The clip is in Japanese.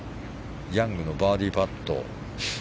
ヤングのバーディーパット。